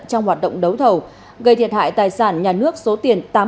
trong hoạt động đấu thầu gây thiệt hại tài sản nhà nước số tiền